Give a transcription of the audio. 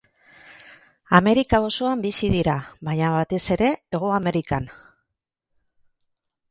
Amerika osoan bizi dira, baina batez ere Hego Amerikan.